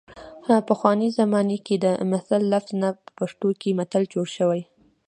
پخوانۍ زمانه کې د مثل لفظ نه په پښتو کې متل جوړ شوی